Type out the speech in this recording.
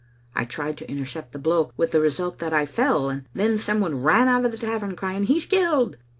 I tried to intercept the blow, with the result that I fell, and then some one ran out of the tavern crying, *He*s killed!